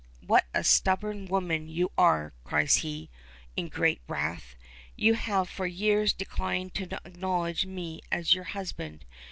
"What a stubborn woman you are," cries he, in great wrath. "You have for years declined to acknowledge me as your husband.